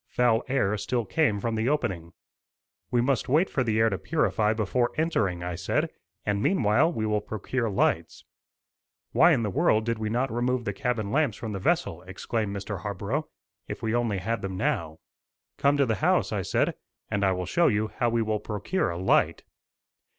Foul air still came from the opening. "We must wait for the air to purify before entering," I said; "and, meanwhile, we will procure lights." "Why in the world did we not remove the cabin lamps from the vessel?" exclaimed Mr. Harborough, "If we only had them now." "Come to the house," I said, "and I will show you how we will procure a light."